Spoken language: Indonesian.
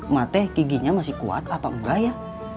mata giginya masih kuat apa nggak ya